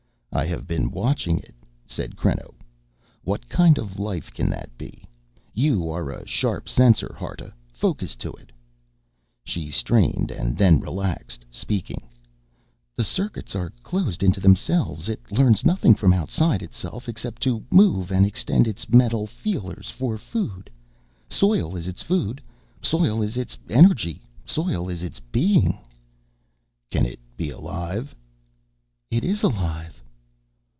"I have been watching it," said Creno. "What kind of life can that be? You are a sharp sensor, Harta. Focus to it." She strained and then relaxed, speaking: "The circuits are closed into themselves. It learns nothing from outside itself except to move and extend its metal feelers for food. Soil is its food. Soil is its energy. Soil is its being." "Can it be alive?" "It is alive."